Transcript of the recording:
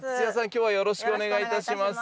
今日はよろしくお願いいたします。